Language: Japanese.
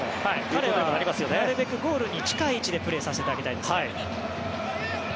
彼はなるべくゴールに近い位置でプレーさせてあげたいです。